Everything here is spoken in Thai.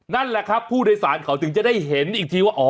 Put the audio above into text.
นั่นแหละครับผู้โดยสารเขาถึงจะได้เห็นอีกทีว่า